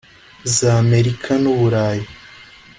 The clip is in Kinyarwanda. za Amerika n’uburayi